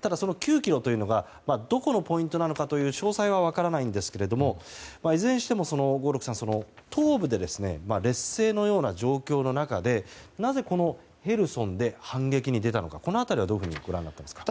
ただその９ｋｍというのがどこのポイントなのかという詳細は分からないんですけどもいずれにしても、東部で劣勢にような状況の中でなぜヘルソンで反撃に出たのか、この辺りはどうご覧になっていますか？